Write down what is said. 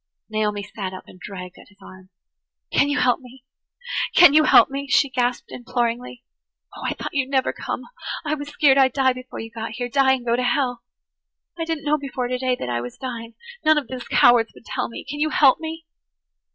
Naomi sat up and dragged at his arm. "Can you help me? Can you help me?" she gasped imploringly. "Oh, I thought you'd never come! I was skeered I'd die before you got here–die and go to hell. I didn't know before today that I was dying. None of those cowards would tell me. Can you help me?"